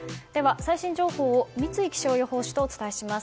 最新情報を三井気象予報士とお伝えします。